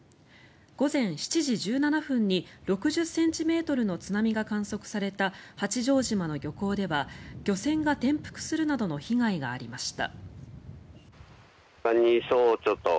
午前７時１７分に６０ｃｍの津波が観測された八丈島の漁港では漁船が転覆するなどの被害がありました。